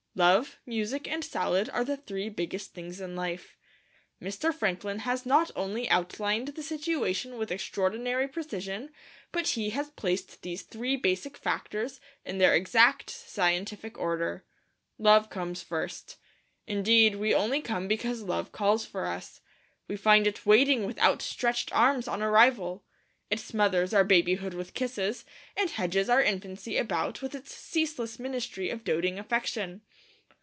Love, Music, and Salad are the three biggest things in life. Mr. Franklin has not only outlined the situation with extraordinary precision, but he has placed these three basic factors in their exact scientific order. Love comes first. Indeed, we only come because Love calls for us. We find it waiting with outstretched arms on arrival. It smothers our babyhood with kisses, and hedges our infancy about with its ceaseless ministry of doting affection.